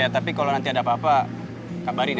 iya tapi kalau nanti ada apa apa kabarin ya